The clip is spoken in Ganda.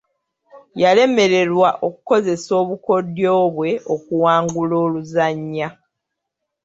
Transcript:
Yalemererwa okukozesa obukodyo bwe okuwangula oluzannya.